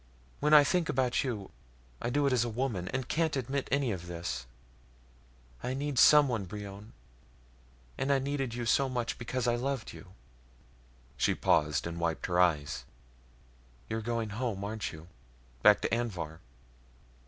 When I think about you, I do it as a woman, and can't admit any of this. I need someone, Brion, and I needed you so much because I loved you." She paused and wiped her eyes. "You're going home, aren't you? Back to Anvhar.